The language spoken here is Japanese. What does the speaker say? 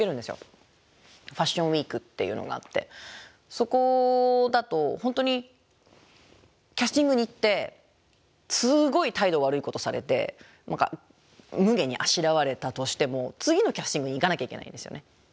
そこだと本当にキャスティングに行ってすごい態度悪いことされて何かむげにあしらわれたとしても次のキャスティングに行かなきゃいけないんですよね。